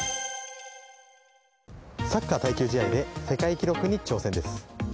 サッカー耐久試合で世界記録に挑戦です。